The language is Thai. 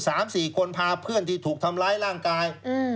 สามสี่คนพาเพื่อนที่ถูกทำร้ายร่างกายอืม